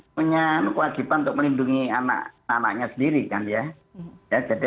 punya kewajiban untuk melindungi anak anaknya sendiri kan ya